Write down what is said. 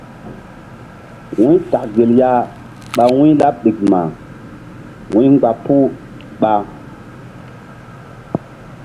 Wu̧y tak gel ya ɓa wu̧y̧-laɓ ɗikma wu̧y mgba puh ɓa.